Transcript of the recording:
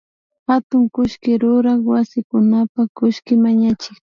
Hatun kullki ruran wasikunapak kullki mañachik